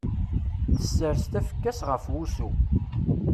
Tessers tafekka-s ɣef wussu.